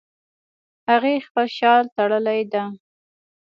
هغې خپل شال تړلی ده